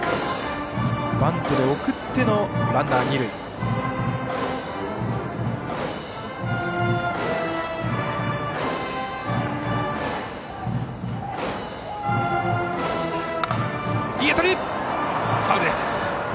バントで送ってのランナー、二塁。